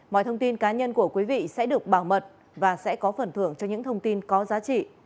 mọi thông tin cá nhân của quý vị sẽ được bảo mật và sẽ có phần thưởng cho những thông tin có giá trị